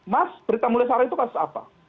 mas perintah mulia sehari itu kasus apa